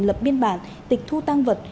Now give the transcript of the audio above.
lập biên bản tịch thu tăng vật